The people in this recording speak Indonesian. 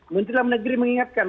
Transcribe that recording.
menteri dalam negeri mengingatkan